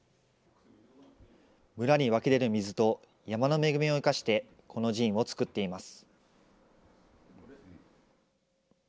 村に湧き出る水と山の恵みを生かして、このジンを造っています。